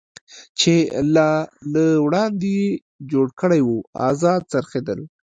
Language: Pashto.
چې لا له وړاندې یې جوړ کړی و، ازاد څرخېدل.